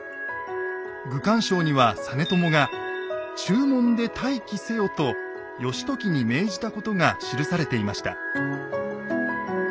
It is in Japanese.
「愚管抄」には実朝が「中門で待機せよ」と義時に命じたことが記されていました。